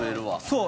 そう。